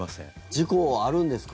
事故はあるんですか？